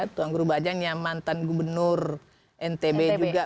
tuan guru bajang yang mantan gubernur ntb juga